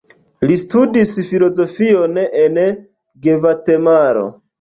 Li studis filozofion en Gvatemalo.